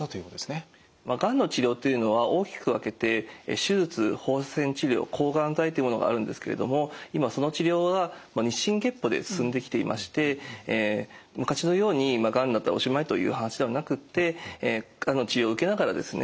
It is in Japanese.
がんの治療というのは大きく分けて手術放射線治療抗がん剤というものがあるんですけれども今その治療は日進月歩で進んできていまして昔のようにがんになったらおしまいという話ではなくて治療を受けながらですね